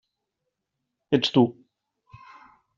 Ets tu.